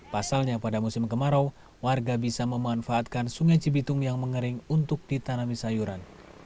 pasalnya pada musim kemarau warga bisa memanfaatkan sungai cibitung yang mengering untuk ditanami sayuran